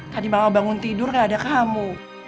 tadi mama bangun tidur gak ada kamu